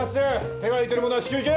手が空いてる者は至急行け！